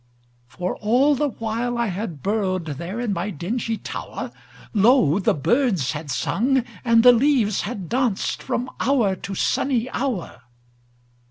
For all the while I had burrowedThere in my dingy tower, Lo! the birds had sung and the leaves had dancedFrom hour to sunny hour.